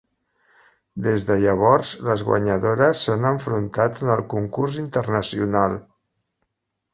Des de llavors, les guanyadores s'han enfrontat en el concurs internacional.